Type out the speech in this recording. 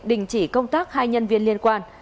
đình chỉ công tác hai nhân viên liên quan